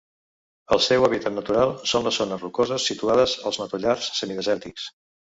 El seu hàbitat natural són les zones rocoses situades als matollars semidesèrtics.